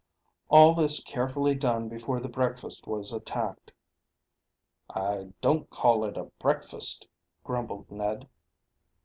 All this carefully done before the breakfast was attacked. "I don't call it a breakfast," grumbled Ned.